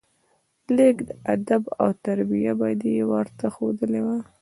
لېږ ادب او تربيه به دې ورته ښودلى وه.